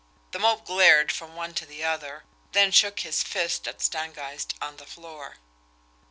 The Mope glared from one to the other; then shook his fist at Stangeist on the floor.